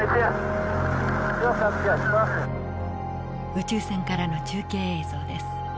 宇宙船からの中継映像です。